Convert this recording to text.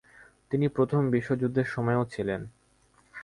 তিনি প্রথম বিশ্বযুদ্ধের সময়ও ছিলেন।